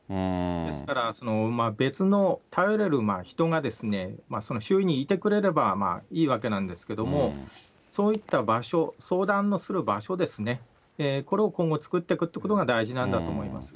ですから、別の頼れる人がその周囲にいてくれればいいわけなんですけども、そういった場所、相談のする場所ですね、これを今後、作っていくということが大事なんだと思います。